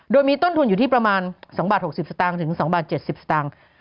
โดยมีต้นทุนอยู่ที่ประมาณ๒บาท๖๐สตางค์ถึง๒บาท๗๐สตางค์